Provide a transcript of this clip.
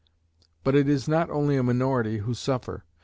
But it is not only a minority who suffer.